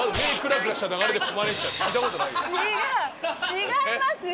違いますよ！